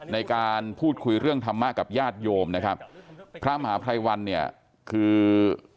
ในการพูดคุยเรื่องธรรมะกับญาติโยมนะครับพระมหาภัยวันเนี่ยคือ